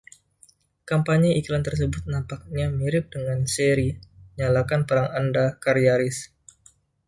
Kampanye iklan tersebut nampak mirip dengan seri "Nyalakan Perang Anda" karya Rees.